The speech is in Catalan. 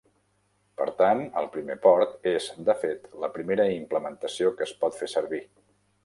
Per tant, el primer port és, de fet, la primera implementació que es pot fer servir.